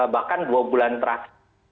bahkan dua bulan terakhir